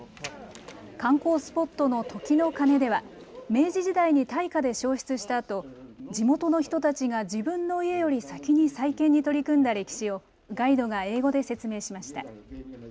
観光スポットの時の鐘では明治時代に大火で焼失したあと地元の人たちが自分の家より先に再建に取り組んだ歴史をガイドが英語で説明しました。